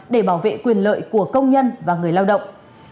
để bảo vệ quyền lợi của công nhân và người lao động